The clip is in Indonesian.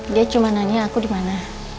dia cuma nanya aku di mana